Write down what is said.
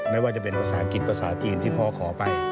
ไม่ว่าจะเป็นภาษาอังกฤษภาษาจีนที่พ่อขอไป